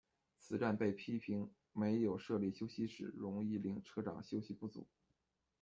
此站被批评没有设立休息室，容易令车长休息不足。